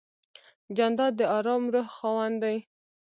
جانداد د آرام روح خاوند دی.